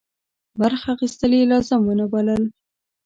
برخه اخیستل یې لازم ونه بلل.